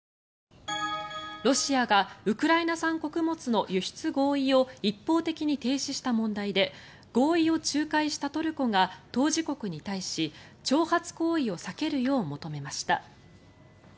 ロシアがウクライナ産穀物の輸出合意を一方的に停止した問題で合意を仲介したトルコが当事国に対し挑発行為を避けるよう求めました。